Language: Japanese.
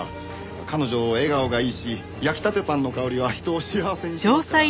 彼女笑顔がいいし焼きたてパンの香りは人を幸せにしますから。